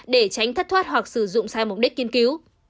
để tránh thất thoát hoặc sử dụng sai mục đích kiên cứu